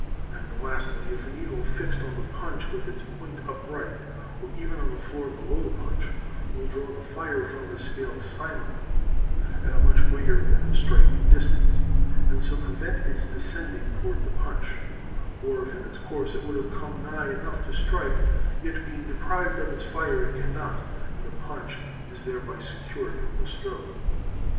And lastly, if a needle fixed on the punch with its point upright, or even on the floor below the punch, will draw the fire from the scale silently at a much greater than the striking distance, and so prevent its descending toward the punch; or if in its course it would have come nigh enough to strike, yet being deprived of its fire it cannot, and the punch is thereby secured from the stroke.